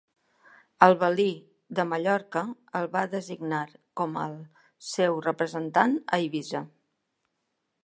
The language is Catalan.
El valí de Mallorca el va designar com el seu representant a Eivissa.